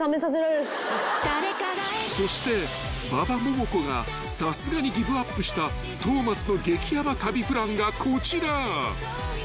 ［そして馬場ももこがさすがにギブアップした東松の激ヤバ旅プランがこちら］